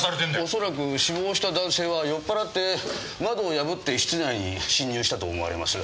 恐らく死亡した男性は酔っ払って窓を破って室内に侵入したと思われます。